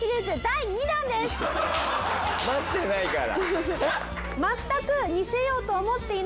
待ってないから。